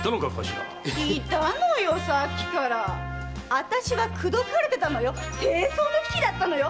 あたしは口説かれてたのよ貞操の危機だったのよ！